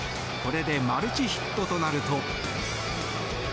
これでマルチヒットとなると。